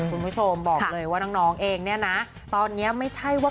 ก็มันก็เป็นเรื่องของผู้ใหญ่